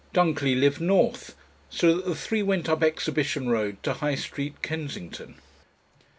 Dunkerley lived north, so that the three went up Exhibition Road to High Street, Kensington.